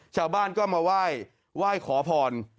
ชาวบ้านก็มาไหว้ขอพร